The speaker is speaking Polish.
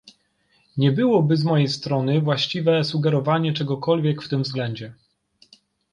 Nie byłoby z mojej strony właściwe sugerowanie czegokolwiek w tym względzie